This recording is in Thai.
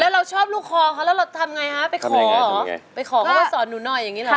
เราชอบลูกคอเขาแล้วเราทำไงฮะไปขอเหรอไปขอเขาไปสอนหนูหน่อยอย่างนี้เหรอ